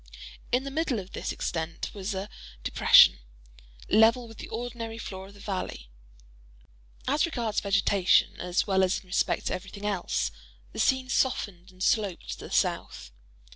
In the middle of this extent was a depression, level with the ordinary floor of the valley. As regards vegetation, as well as in respect to every thing else, the scene softened and sloped to the south.